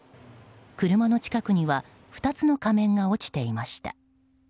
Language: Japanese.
車の近くには２つの仮面が落ちていました。